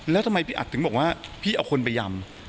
แล้วทำไมพี่อัดถึงบอกว่าพี่เอาคนไปยำ